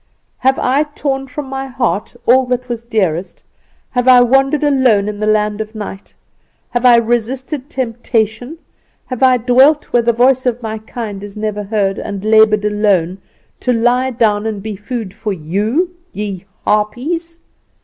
"'Have I torn from my heart all that was dearest; have I wandered alone in the land of night; have I resisted temptation; have I dwelt where the voice of my kind is never heard, and laboured alone, to lie down and be food for you, ye harpies?